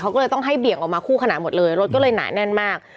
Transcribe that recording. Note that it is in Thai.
เขาก็เลยต้องให้เบี่ยงออกมาคู่ขนาดหมดเลยรถก็เลยหนาแน่นมาก